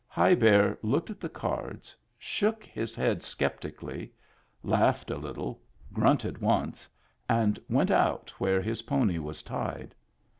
High Bear looked at the cards, shook his head sceptically^ laughed a little, grunted once, and went out where his pony was tied.